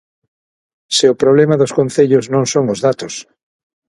¡Se o problema dos concellos non son os datos!